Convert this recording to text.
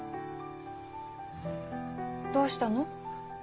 どうしたの？